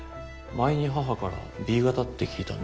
前に母からＢ型って聞いたんで。